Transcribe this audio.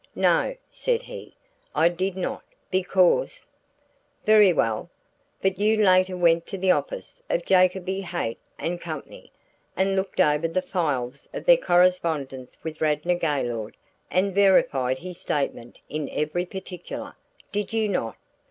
"No," said he, "I did not, because " "Very well! But you later went to the office of Jacoby, Haight & Co., and looked over the files of their correspondence with Radnor Gaylord and verified his statement in every particular, did you not?"